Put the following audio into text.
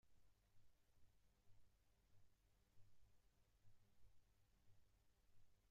En estas condiciones Castañeda abandonó su cargo y se fue a Chile.